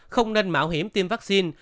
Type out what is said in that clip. bốn không nên mạo hiểm tiêm vaccine